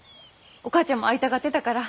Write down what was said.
お母ちゃんも会いたがってたから。